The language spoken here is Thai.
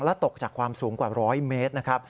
และตกจากความสูงกว่า๑๐๐เมตร